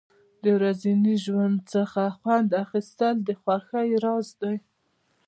د ورځني ژوند څخه خوند اخیستل د خوښۍ راز دی.